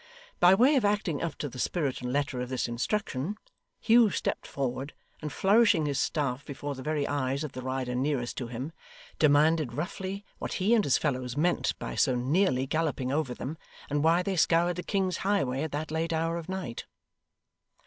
By way of acting up to the spirit and letter of this instruction, Hugh stepped forward, and flourishing his staff before the very eyes of the rider nearest to him, demanded roughly what he and his fellows meant by so nearly galloping over them, and why they scoured the king's highway at that late hour of night.